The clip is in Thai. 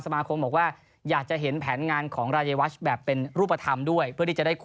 เค้าก็ให้ใจกับการต่อการสัญญาแค่ปีแรค